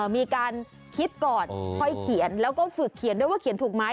มีการคิดก่อนค่อยเขียนแล้วก็ฝึกเขียนด้วยว่าเขียนถูกไหม